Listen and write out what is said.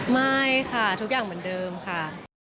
ไม่ค่ะทุกอย่างเหมือนเดิมค่ะ